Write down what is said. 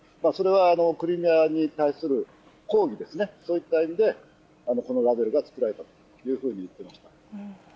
それはクリミアに対する抗議ですね、そういった意味で、このラベルが作られたというふうに言っていました。